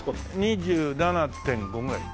２７．５ぐらい。